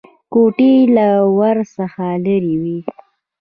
کوټې له ور څخه لرې وې.